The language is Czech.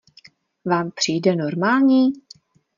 Vám přijde normální?